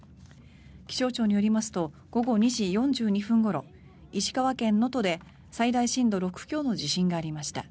気象庁によりますと午後２時４２分ごろ石川県能登で最大震度６強の地震がありました。